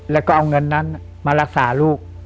แล้วก็เอาเงินนั้นมารักษาลูก